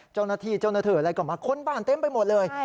เจ้าหน้าที่เจ้าหน้าที่อะไรก็มาค้นบ้านเต็มไปหมดเลย